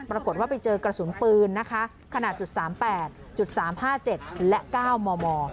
ปรากฏว่าไปเจอกระสุนปืนนะคะขนาด๓๘๓๕๗และ๙มม